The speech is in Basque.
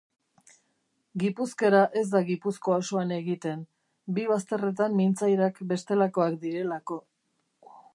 Gipuzkera ez da Gipuzkoa osoan egiten, bi bazterretan mintzairak bestelakoak direlako.